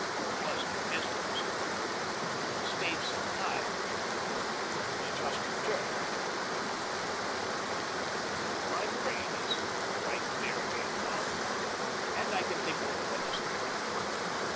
There was no mesmerism, but I stayed some time and have only just returned. My brain is quite clear again now, and I can think over what has occurred.